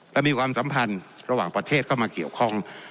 และมีความสัมพันธ์ระหว่างประเทศเข้ามาเกี่ยวข้อง